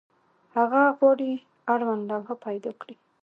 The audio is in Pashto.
هغه غواړي اړوند لوحه پیدا کړي.